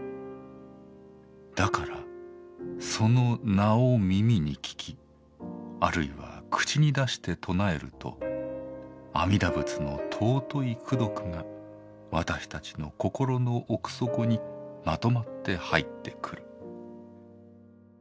だからその『名』を耳に聞きあるいは口に出して称えると阿弥陀仏の尊い功徳が私たちの心の奥底にまとまって入って来る」。